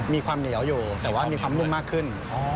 มีความเหนียวอยู่แต่ว่ามีความนุ่มมากขึ้น